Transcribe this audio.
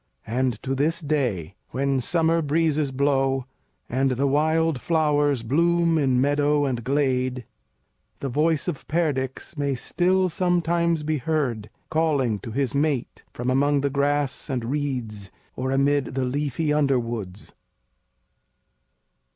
And to this day, when summer breezes blow and the wild flowers bloom in meadow and glade, the voice of Perdix may still sometimes be heard, calling to his mate from among the grass and reeds or amid the leafy underwoods.